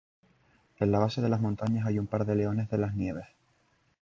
En la base de las montañas hay un par de leones de las nieves.